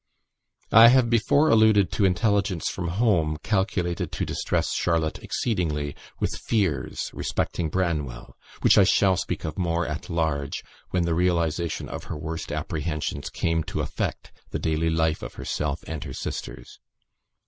I have before alluded to intelligence from home, calculated to distress Charlotte exceedingly with fears respecting Branwell, which I shall speak of more at large when the realisation of her worst apprehensions came to affect the daily life of herself and her sisters.